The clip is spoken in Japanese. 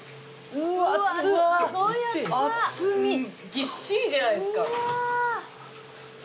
ぎっしりじゃないですか。